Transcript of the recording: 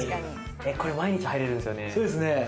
毎日入れるんですよね。